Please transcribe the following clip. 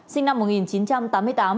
sinh năm một nghìn chín trăm tám mươi tám